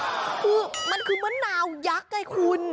คือมันคือมะนาวยักษ์ไงคุณ